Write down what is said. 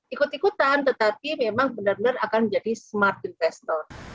ikut ikutan tetapi memang benar benar akan menjadi smart investor